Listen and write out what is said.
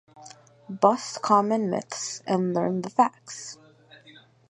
Bust Common Myths and Learn the Facts